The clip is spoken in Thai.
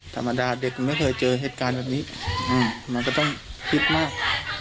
ธรรมดาเด็กไม่เคยเจอเหตุการณ์แบบนี้มันก็ต้องคิดมาก